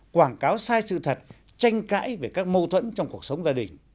quảng cáo sai sự thật tranh cãi về các mâu thuẫn trong cuộc sống gia đình